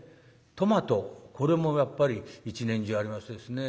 トマトこれもやっぱり一年中ありますですね。